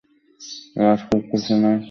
ও আজ খুব খুশি না!